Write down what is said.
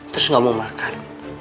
terus gak mau makan